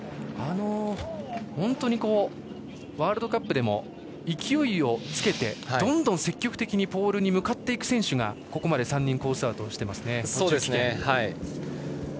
本当にワールドカップでも勢いをつけてどんどん積極的にポールに向かっていく選手がここまで３人途中棄権をしていますね。